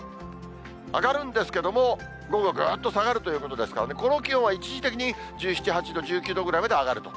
上がるんですけども、午後、ぐっと下がるということですからね、この気温は一時的に１７、８度、１９度ぐらいまで上がると。